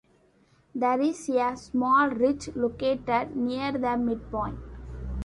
There is a small ridge located near the midpoint.